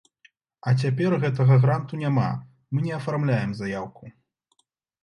А цяпер гэтага гранту няма, мы не афармляем заяўку.